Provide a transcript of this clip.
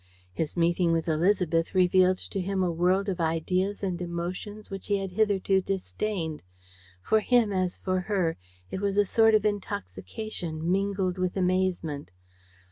His meeting with Élisabeth revealed to him a world of ideas and emotions which he had hitherto disdained. For him as for her it was a sort of intoxication mingled with amazement.